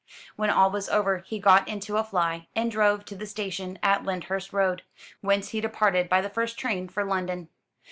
When all was over he got into a fly, and drove to the station at Lyndhurst Road, whence he departed by the first train for London.